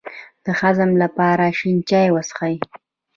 د هضم لپاره شین چای وڅښئ